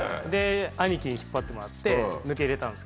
兄貴に引っ張ってもらって抜けれたんですけど。